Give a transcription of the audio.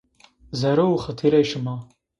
Zerre u xatırê şıma.